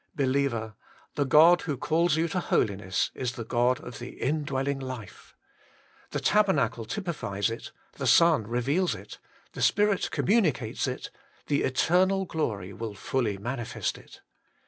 Believer ! the God who calls you to holiness is the God of the Indwelling Life. The tabernacle typifies it, the Son reveals it, the Spirit communicates it, the eternal glory will fully manifest it.